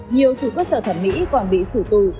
nhiều chủ cơ sở thẩm mỹ còn bị xử tù